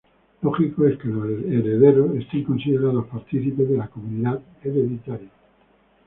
Lógico es que los herederos sean considerados partícipes de la comunidad hereditaria.